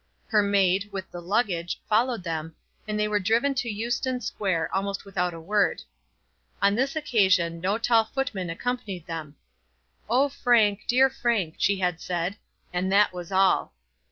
Her maid, with the luggage, followed them, and they were driven to Euston Square almost without a word. On this occasion no tall footman accompanied them. "Oh, Frank; dear Frank," she had said, and that was all.